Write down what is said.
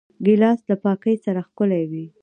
ګیلاس له پاکۍ سره ښکلی وي.